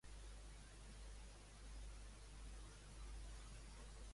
Vull mirar demanar alguna cosa per sopar a casa.